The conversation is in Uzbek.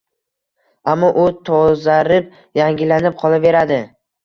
Ammo u tozarib-yangilanib qolaveradi